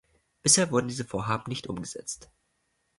Bisher wurden diese Vorhaben nicht umgesetzt.